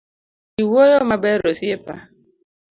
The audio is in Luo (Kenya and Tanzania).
Iwuoyo maber osiepa.